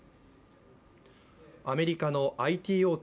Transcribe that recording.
アメリカのＩＴ大手